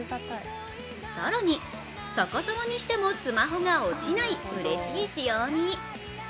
更に、逆さまにしてもスマホが落ちないうれしい仕様に。